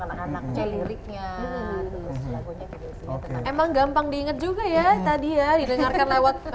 anak anaknya liriknya lagunya memang gampang diingat juga ya tadi ya ini karena waktu